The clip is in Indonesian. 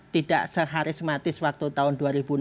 tidak seharismatis waktu tahun